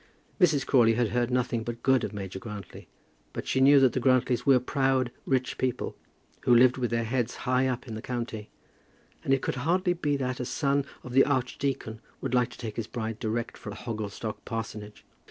Mrs. Crawley had heard nothing but good of Major Grantly; but she knew that the Grantlys were proud rich people, who lived with their heads high up in the county, and it could hardly be that a son of the archdeacon would like to take his bride direct from Hogglestock parsonage.